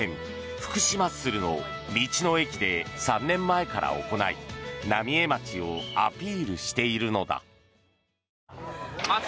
福島ッスルも道の駅で３年前から行い浪江町をアピールしているのだ。